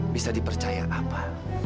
bisa dipercaya apa